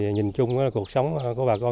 nhìn chung là cuộc sống của bà con